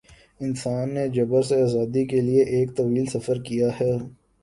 انسان نے جبر سے آزادی کے لیے ایک طویل سفر کیا ہے۔